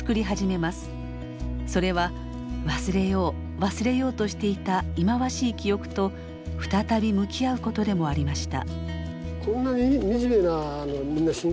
それは忘れよう忘れようとしていた忌まわしい記憶と再び向き合うことでもありました。